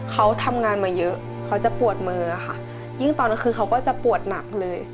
เขาทำงานมาเยอะเขาจะปวดมือค่ะยิ่งตอนนั้นคือเขาก็จะปวดหนักเลย